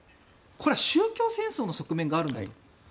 これは宗教戦争の側面があるんだと。